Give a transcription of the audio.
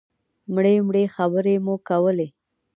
مړې مړې خبرې مو کولې.